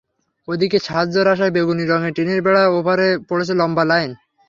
ওদিকে সাহায্যের আশায় বেগুনি রঙের টিনের বেড়ার ওপারে পড়েছে লম্বা লাইন।